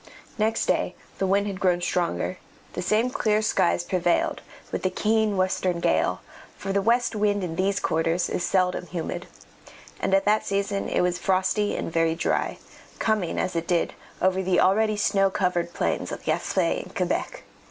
Next day the wind had grown stronger; the same clear skies prevailed, with the keen western gale, for the west wind in these quarters is seldom humid, and at that season it was frosty and very dry, coming as it did over the already snow covered plains of Gaspé and Quebec.